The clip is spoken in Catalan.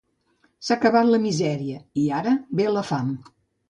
S'ha acabat la misèria i ara ve la fam.